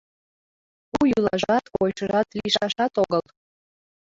У йӱлажат, койышыжат лийшашат огыл